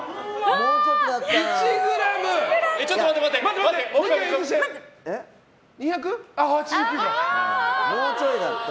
もうちょっとだった！